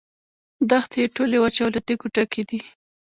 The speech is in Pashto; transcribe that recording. دښتې یې ټولې وچې او له تیږو ډکې دي.